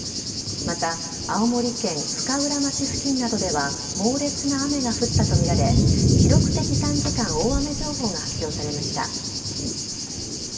また、青森県深浦町付近などでは猛烈な雨が降ったとみられ記録的短時間大雨情報が発表されました。